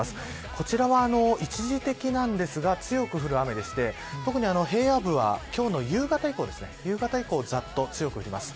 こちらは一時的なんですが強く降る雨でして特に平野部は今日の夕方以降ざっと強く降ります。